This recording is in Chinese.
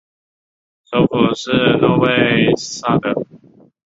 首府是诺维萨德。